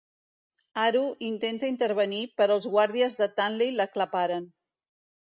Haru intenta intervenir però els guàrdies de Tanley l'aclaparen.